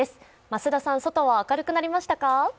増田さん、外は明るくなりましたか？